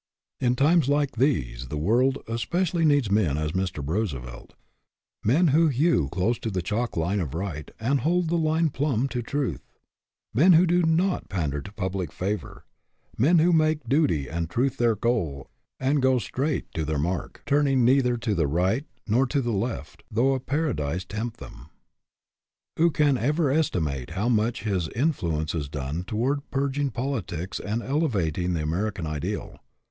In times like these the world especially needs such men as Mr. Roosevelt men who hew close to the chalk line of right and hold the line plumb to truth; men who do not pander to public favor; men who make duty and truth their goal and go straight to their mark, turning neither to the right nor to the left, though a paradise tempt them. Who can ever estimate how much his in fluence has done toward purging politics and elevating the American ideal.